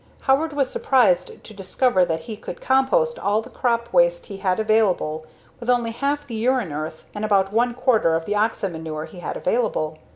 Howard was surprised to discover that he could compost all the crop waste he had available with only half the urine earth and about one quarter of the oxen manure he had available.